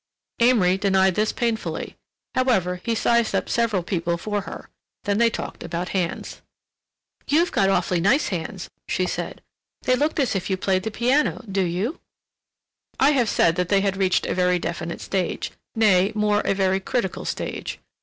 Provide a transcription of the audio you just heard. Amory denied this painfully. However, he sized up several people for her. Then they talked about hands. "You've got awfully nice hands," she said. "They look as if you played the piano. Do you?" I have said they had reached a very definite stage—nay, more, a very critical stage.